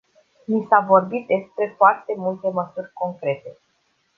Ni s-a vorbit despre foarte multe măsuri concrete.